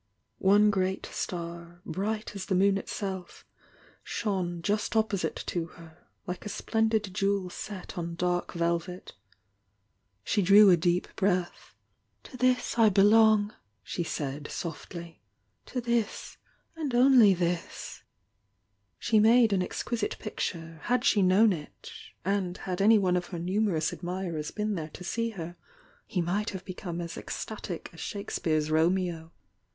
One great star, bright as the moon itself, shone just opposite to her, like a splendid jewel set on dark velvet. She drew a deep breath. "To this I belong!" she said, softly "To this and only tiliis!" ,,. i * She made an exquisite picture, had she known it, —and had any one of her numerous admirers been there to see her, he might have become as ecstatic as Shakespeare's Romeo.